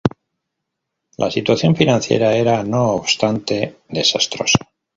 La situación financiera era, no obstante, desastrosa.